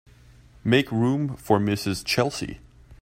Make room for Mrs. Chelsea.